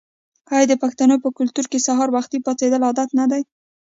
آیا د پښتنو په کلتور کې سهار وختي پاڅیدل عادت نه دی؟